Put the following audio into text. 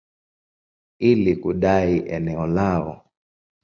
ili kudai eneo lao.